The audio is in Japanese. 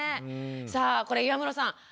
さあこれ岩室さん